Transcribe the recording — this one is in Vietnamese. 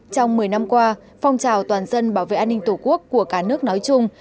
trong một mươi năm qua phong trào toàn dân bảo vệ an ninh tổ quốc của cả nước nói chung